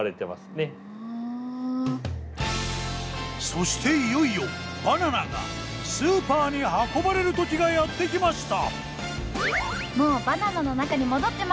そしていよいよバナナがスーパーに運ばれる時がやって来ました！